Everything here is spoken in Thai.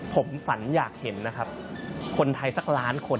ผมฝันอยากเห็นคนไทยสักล้านคน